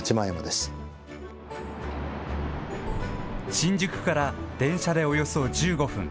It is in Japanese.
新宿から電車でおよそ１５分。